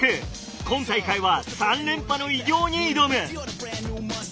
今大会は３連覇の偉業に挑む。